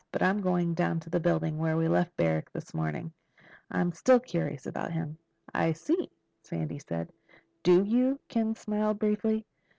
But I'm going down to that building where we left Barrack this morning. I'm still curious about him." "I see," Sandy said. "Do you?" Ken smiled briefly.